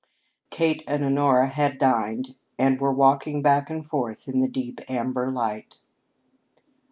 Kate and Honora had dined and were walking back and forth in the deep amber light.